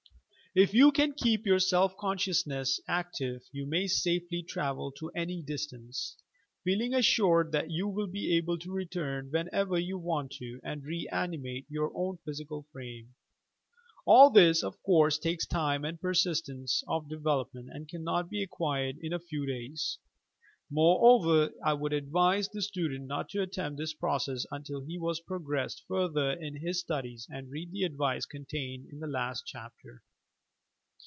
If you can keep your self eonsciousness active, you may safely travel to any distance, — feeling assured that you will be able to return whenever you want to and rci animate your own physical frame. All this, of course, takes time and persistence of development, and cannot be acquired in a few days. Moreover, I would advise the student not to attempt this process, until he has progressed further in his studies and read the advice contained in the last chapter.'